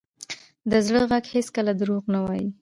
د زړه ږغ هېڅکله دروغ نه وایي.